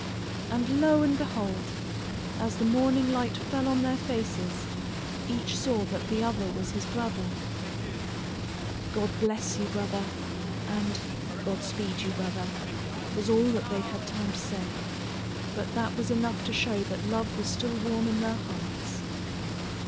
And lo! and behold, as the morning light fell on their faces, each saw that the other was his brother. "God bless you, brother," and "God speed you, brother," was all that they had time to say, but that was enough to show that love was still warm in their hearts.